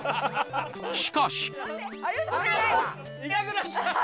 しかし。